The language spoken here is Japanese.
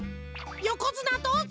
よこづなどうぞ！